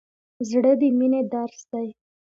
زړه د مینې درس دی.